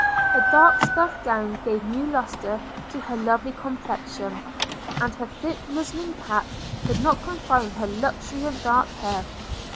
Her dark stuff gown gave new lustre to her lovely complexion; and her thick muslin cap could not confine her luxuriant dark hair.